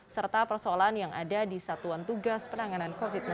serta persoalan yang ada di satuan tugas penanganan covid sembilan belas